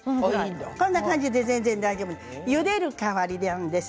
こんな感じで大丈夫です。